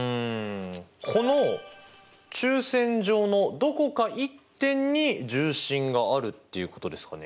この中線上のどこか１点に重心があるっていうことですかね？